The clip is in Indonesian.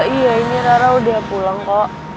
iya ini rara udah pulang kok